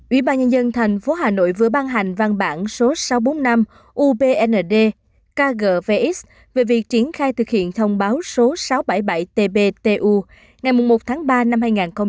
ubnd tp hà nội vừa ban hành văn bản số sáu trăm bốn mươi năm ubnd kgvx về việc triển khai thực hiện thông báo số sáu trăm bảy mươi bảy tbtu ngày một tháng ba năm hai nghìn hai mươi hai